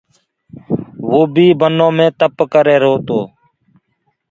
وو بيٚ بنو مي تَپَ ڪريهرو تو